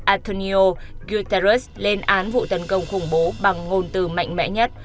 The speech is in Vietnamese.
antonio guterres lên án vụ tấn công khủng bố bằng ngôn từ mạnh mẽ nhất